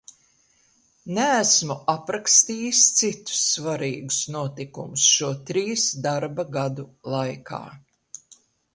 Neesmu aprakstījis citus svarīgus notikumus, šo trīs darba gadu laikā.